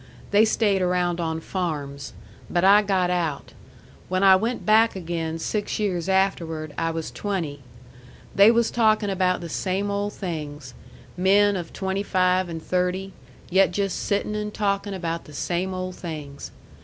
They stayed around on farms. But I got out. When I went back again six years afterward, I was twenty. They was talking about the same old things. Men of twenty five and thirty yet just sittin' and talkin' about the same old things.